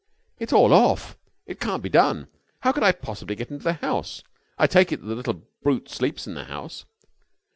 "It's all off! It can't be done! How could I possibly get into the house? I take it that the little brute sleeps in the house?"